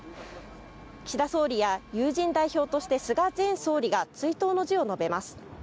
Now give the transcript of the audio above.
岸田総理や友人代表として菅前総理が追悼の辞を述べます。